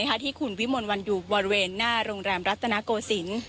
ที่คุณวิมลวันอยู่บริเวณหน้าโรงแรมรัตนโกศิลป์